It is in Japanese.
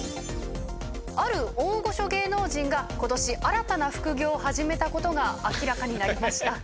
ある大御所芸能人が今年新たな副業を始めたことが明らかになりました。